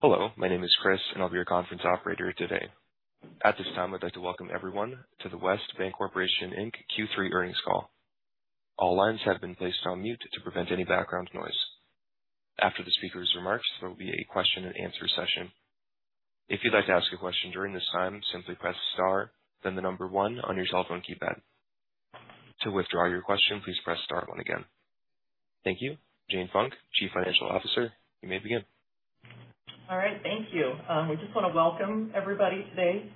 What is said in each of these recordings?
Hello, my name is Chris, and I'll be your conference operator today. At this time, I'd like to welcome everyone to the West Bancorporation, Inc. Q3 earnings call. All lines have been placed on mute to prevent any background noise. After the speaker's remarks, there will be a question and answer session. If you'd like to ask a question during this time, simply press star, then the number one on your telephone keypad. To withdraw your question, please press star one again. Thank you. Jane Funk, Chief Financial Officer, you may begin. All right, thank you. We just want to welcome everybody today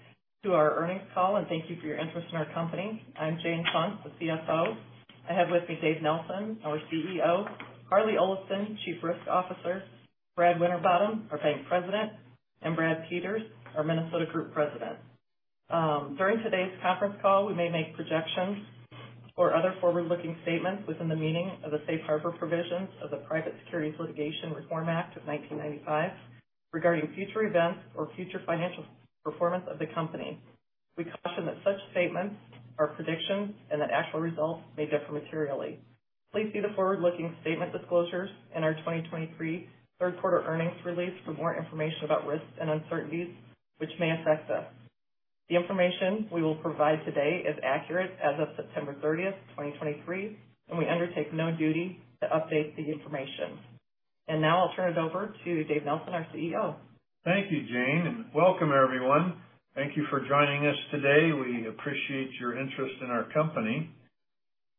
to our earnings call, and thank you for your interest in our company. I'm Jane Funk, the CFO. I have with me Dave Nelson, our CEO, Harlee Olafson, Chief Risk Officer, Brad Winterbottom, our Bank President, and Brad Peters, our Minnesota Group President. During today's conference call, we may make projections or other forward-looking statements within the meaning of the safe harbor provisions of the Private Securities Litigation Reform Act of 1995, regarding future events or future financial performance of the company. We caution The information we will provide today is accurate as of September 30, 2023, and we undertake no duty to update the information. Now I'll turn it over to Dave Nelson, our CEO. Thank you, Jane, and welcome, everyone. Thank you for joining us today. We appreciate your interest in our company.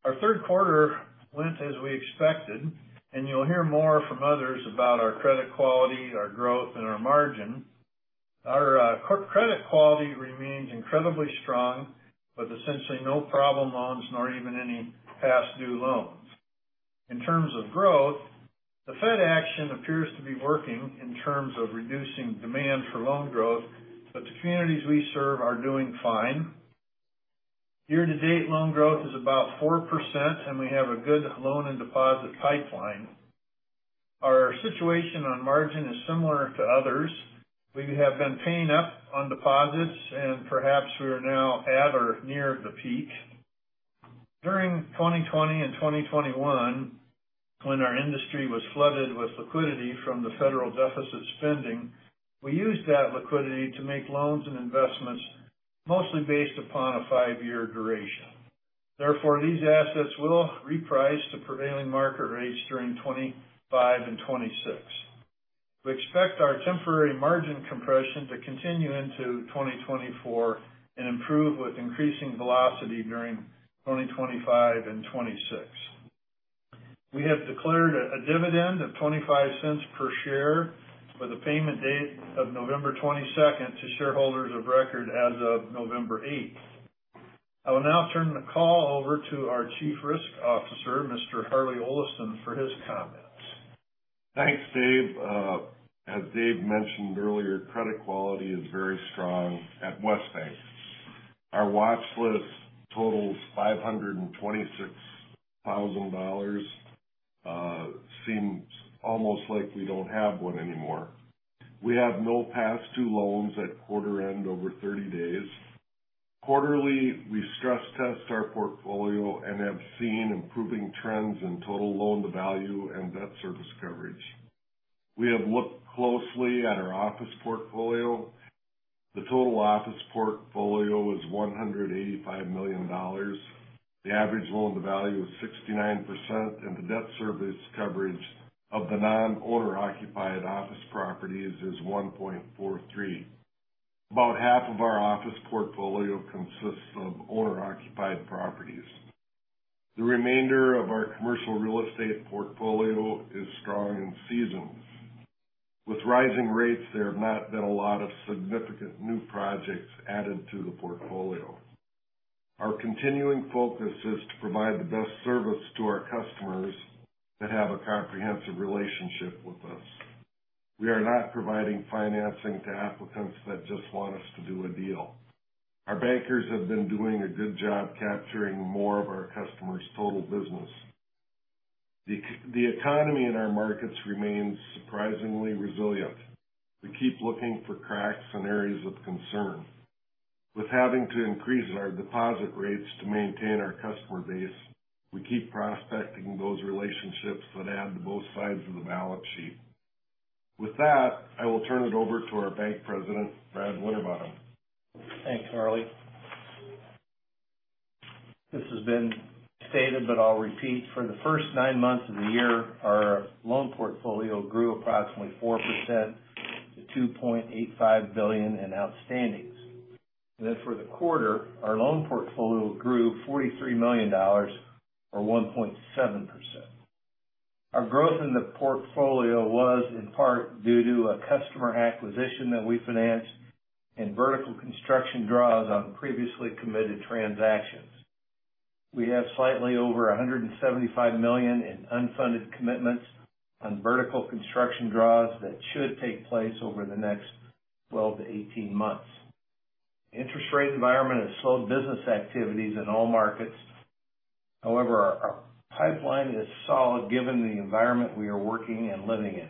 Our third quarter went as we expected, and you'll hear more from others about our credit quality, our growth, and our margin. Our credit quality remains incredibly strong, with essentially no problem loans nor even any past due loans. In terms of growth, the Fed action appears to be working in terms of reducing demand for loan growth, but the communities we serve are doing fine. Year to date, loan growth is about 4%, and we have a good loan and deposit pipeline. Our situation on margin is similar to others. We have been paying up on deposits, and perhaps we are now at or near the peak. During 2020 and 2021, when our industry was flooded with liquidity from the federal deficit spending, we used that liquidity to make loans and investments, mostly based upon a five-year duration. Therefore, these assets will reprice to prevailing market rates during 2025 and 2026. We expect our temporary margin compression to continue into 2024 and improve with increasing velocity during 2025 and 2026. We have declared a dividend of $0.25 per share, with a payment date of November 22, to shareholders of record as of November 8. I will now turn the call over to our Chief Risk Officer, Mr. Harlee Olafson, for his comments. Thanks, Dave. As Dave mentioned earlier, credit quality is very strong at West Bank. Our watch list totals $526,000. Seems almost like we don't have one anymore. We have no past due loans at quarter end, over 30 days. Quarterly, we stress test our portfolio and have seen improving trends in total loan-to-value and debt service coverage. We have looked closely at our office portfolio. The total office portfolio is $185 million. The average loan-to-value is 69%, and the debt service coverage of the non-owner-occupied office properties is 1.43. About half of our office portfolio consists of owner-occupied properties. The remainder of our commercial real estate portfolio is strong and seasoned. With rising rates, there have not been a lot of significant new projects added to the portfolio. Our continuing focus is to provide the best service to our customers that have a comprehensive relationship with us. We are not providing financing to applicants that just want us to do a deal. Our bankers have been doing a good job capturing more of our customers' total business. The economy in our markets remains surprisingly resilient. We keep looking for cracks and areas of concern. With having to increase our deposit rates to maintain our customer base, we keep prospecting those relationships that add to both sides of the balance sheet. With that, I will turn it over to our Bank President, Brad Winterbottom. Thanks, Harlee. This has been stated, but I'll repeat. For the first nine months of the year, our loan portfolio grew approximately 4% to $2.85 billion in outstandings. And then for the quarter, our loan portfolio grew $43 million, or 1.7%. Our growth in the portfolio was in part due to a customer acquisition that we financed and vertical construction draws on previously committed transactions. We have slightly over $175 million in unfunded commitments on vertical construction draws that should take place over the next 12-18 months. Interest rate environment has slowed business activities in all markets. However, our, our pipeline is solid given the environment we are working and living in.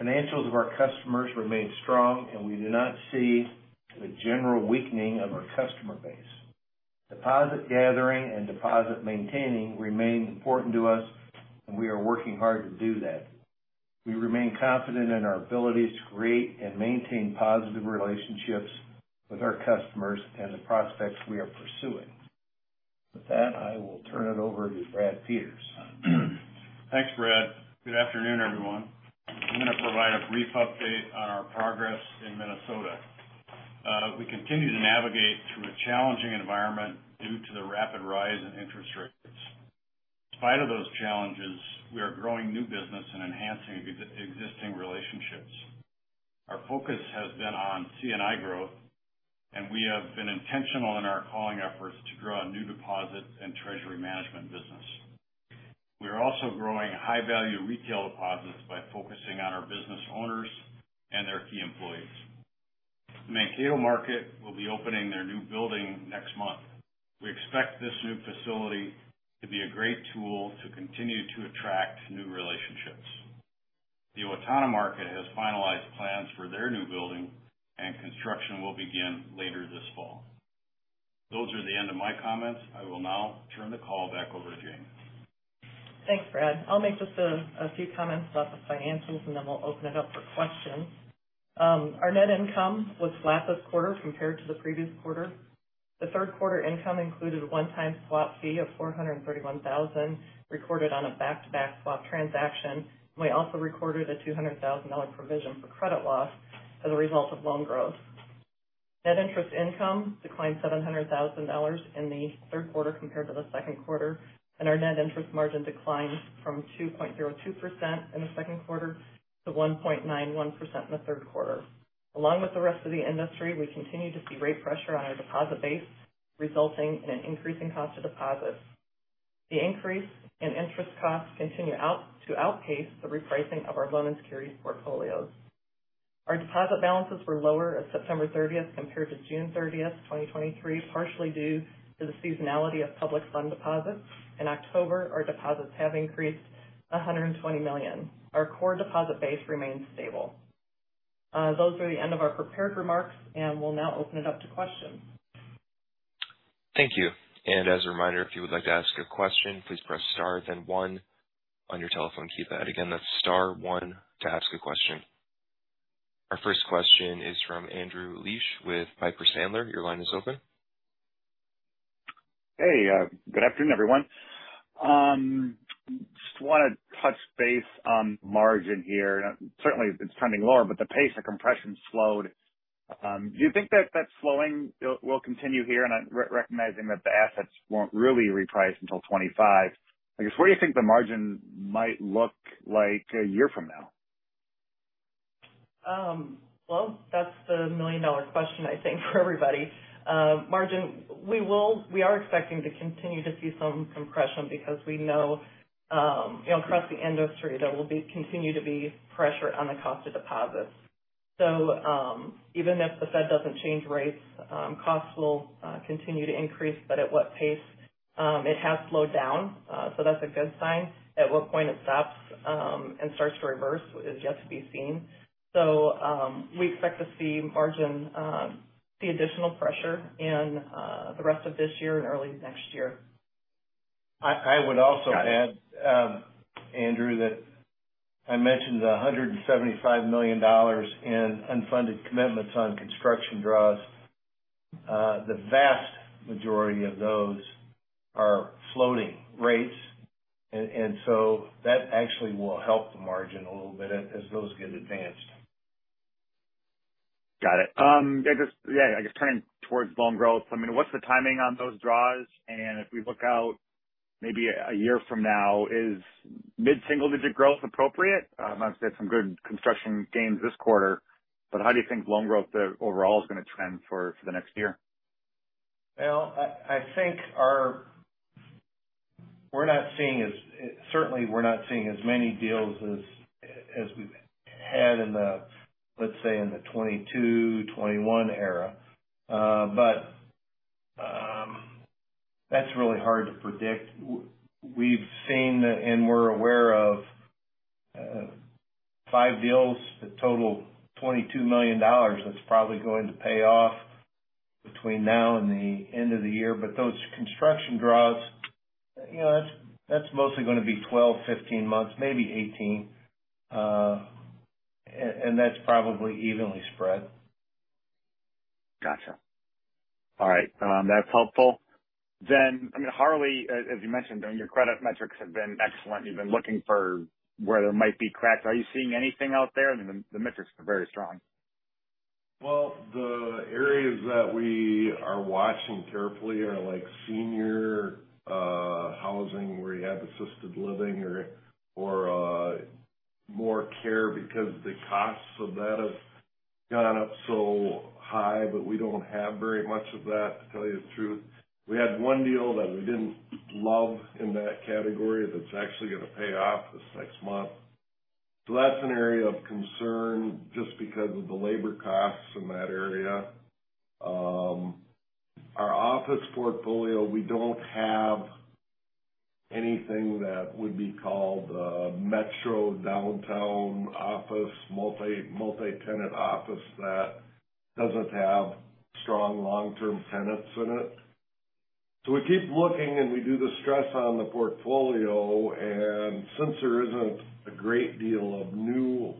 Financials of our customers remain strong, and we do not see a general weakening of our customer base. Deposit gathering and deposit maintaining remain important to us, and we are working hard to do that. We remain confident in our ability to create and maintain positive relationships with our customers and the prospects we are pursuing. With that, I will turn it over to Brad Peters. Thanks, Brad. Good afternoon, everyone. I'm going to provide a brief update on our progress in Minnesota. We continue to navigate through a challenging environment due to the rapid rise in interest rates. In spite of those challenges, we are growing new business and enhancing existing relationships. Our focus has been on C&I growth, and we have been intentional in our calling efforts to grow our new deposit and treasury management business. We are also growing high-value retail deposits by focusing on our business owners and their key employees. The Mankato market will be opening their new building next month. We expect this new facility to be a great tool to continue to attract new relationships. The Owatonna market has finalized plans for their new building, and construction will begin later this fall. Those are the end of my comments. I will now turn the call back over to Jane. Thanks, Brad. I'll make just a few comments about the financials, and then we'll open it up for questions. Our net income was flat this quarter compared to the previous quarter. The third quarter income included a one-time swap fee of $431,000, recorded on a back-to-back swap transaction. We also recorded a $200,000 provision for credit loss as a result of loan growth. Net interest income declined $700,000 in the third quarter compared to the second quarter, and our net interest margin declined from 2.02% in the second quarter to 1.91% in the third quarter. Along with the rest of the industry, we continue to see rate pressure on our deposit base, resulting in an increasing cost of deposits. The increase in interest costs continues to outpace the repricing of our loan and securities portfolios. Our deposit balances were lower as of September 30 compared to June 30, 2023, partially due to the seasonality of public fund deposits. In October, our deposits have increased $120 million. Our core deposit base remains stable. Those are the end of our prepared remarks, and we'll now open it up to questions. Thank you. As a reminder, if you would like to ask a question, please press star, then one on your telephone keypad. Again, that's star one to ask a question. Our first question is from Andrew Liesch with Piper Sandler. Your line is open. Hey, good afternoon, everyone. Just want to touch base on margin here. Certainly, it's trending lower, but the pace of compression slowed. Do you think that slowing will continue here? And I'm recognizing that the assets won't really reprice until 2025. I guess, where do you think the margin might look like a year from now? Well, that's the million-dollar question, I think, for everybody. Margin, we will-- we are expecting to continue to see some compression because we know, you know, across the industry, there will be-- continue to be pressure on the cost of deposits. Even if the Fed doesn't change rates, costs will continue to increase, but at what pace? It has slowed down, so that's a good sign. At what point it stops and starts to reverse is yet to be seen. We expect to see margin see additional pressure in the rest of this year and early next year. I would also- Got it. Andrew, that I mentioned the $175 million in unfunded commitments on construction draws. The vast majority of those are floating rates, and so that actually will help the margin a little bit as those get advanced. Got it. I just -- yeah, I guess turning towards loan growth, I mean, what's the timing on those draws? If we look out maybe a year from now, is mid-single digit growth appropriate? Obviously, had some good construction gains this quarter, but how do you think loan growth overall is going to trend for the next year? Well, I think our... We're not seeing as, certainly we're not seeing as many deals as we've had in the, let's say, in the 2022, 2021 era. That's really hard to predict. We've seen and we're aware of five deals that total $22 million. That's probably going to pay off between now and the end of the year. Those construction draws, you know, that's mostly going to be 12, 15 months, maybe 18, and that's probably evenly spread. Gotcha. All right. That's helpful. Then, I mean, Harlee, as you mentioned, your credit metrics have been excellent. You've been looking for where there might be cracks. Are you seeing anything out there? I mean, the metrics are very strong. Well, the areas that we are watching carefully are like senior housing, where you have assisted living or more care because the costs of that have gone up so high, but we don't have very much of that, to tell you the truth. We had one deal that we didn't love in that category, that's actually going to pay off this next month. So that's an area of concern just because of the labor costs in that area. Our office portfolio, we don't have- ... anything that would be called, metro downtown office, multi, multi-tenant office that doesn't have strong long-term tenants in it. We keep looking, and we do the stress on the portfolio, and since there isn't a great deal of new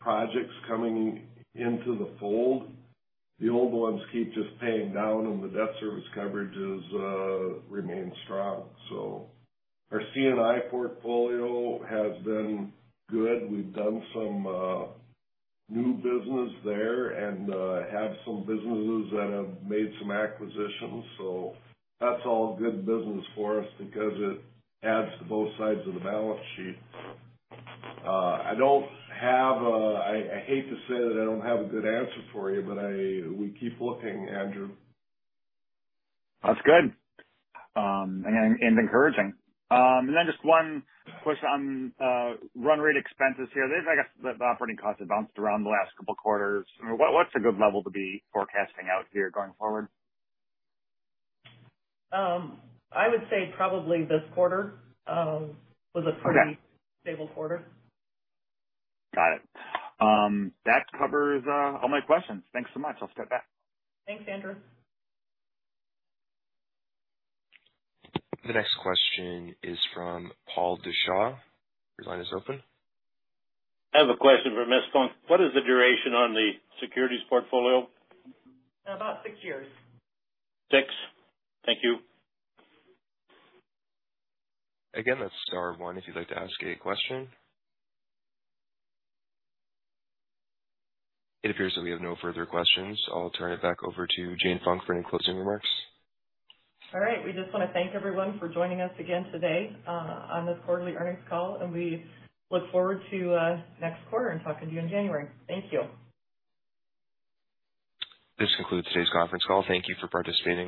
projects coming into the fold, the old ones keep just paying down, and the debt service coverages remain strong. Our C&I portfolio has been good. We've done some new business there and had some businesses that have made some acquisitions, so that's all good business for us because it adds to both sides of the balance sheet. I don't have a—I hate to say that I don't have a good answer for you, but we keep looking, Andrew. That's good, and encouraging. And then just one question on run rate expenses here. I guess, the operating costs have bounced around the last couple quarters. What's a good level to be forecasting out here going forward? I would say probably this quarter, was a pretty- Okay. -stable quarter. Got it. That covers all my questions. Thanks so much. I'll step back. Thanks, Andrew. The next question is from Paul Deshaw. Your line is open. I have a question for Miss Funk. What is the duration on the securities portfolio? About six years. six? Thank you. Again, that's star one, if you'd like to ask a question. It appears that we have no further questions. I'll turn it back over to Jane Funk for any closing remarks. All right. We just want to thank everyone for joining us again today, on this quarterly earnings call, and we look forward to, next quarter and talking to you in January. Thank you. This concludes today's conference call. Thank you for participating.